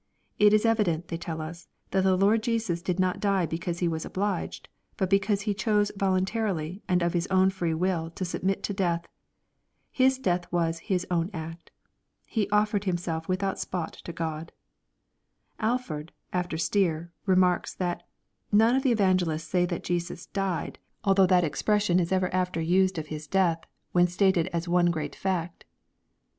It is evident, they tell us, that the Lord Jesus did not die because He was obliged, but because He chose voluntarily and of His own free will to submit to death. His death was " His own act" He " offered Himself without spot to God." Alford, after Stier, remarks that " none of the evangelists saj that Jesus diedy although thai expression is ever after used of 484 EXP0SITC3Y THOUGHTS. Hi:* death, when stated as one great fact."